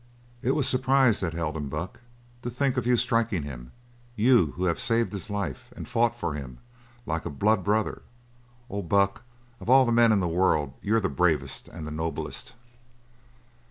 "It was surprise that held him, Buck. To think of you striking him you who have saved his life and fought for him like a blood brother. Oh, Buck, of all the men in the world you're the bravest and the noblest!"